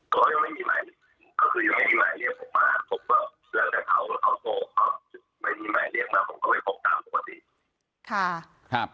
ก็ยังไม่มีไมค์เรียกมาผมก็ไม่มีไมค์เรียกมาผมก็ไปพกตามปกติ